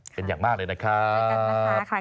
เป็นอย่างมากเลยนะครับ